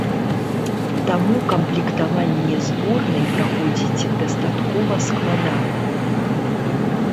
Таму камплектаванне зборнай праходзіць дастаткова складана.